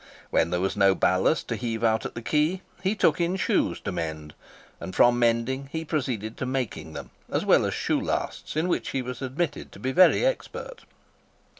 When there was no ballast to heave out at the Quay he took in shoes to mend; and from mending he proceeded to making them, as well as shoe lasts, in which he was admitted to be very expert.